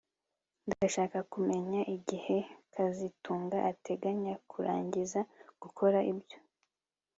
Ndashaka kumenya igihe kazitunga ateganya kurangiza gukora ibyo